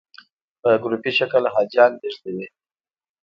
په ګروپي شکل حاجیان لېږدوي.